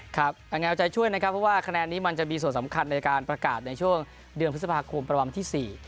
ยังไงเอาใจช่วยนะครับเพราะว่าคะแนนนี้มันจะมีส่วนสำคัญในการประกาศในช่วงเดือนพฤษภาคมประมาณวันที่๔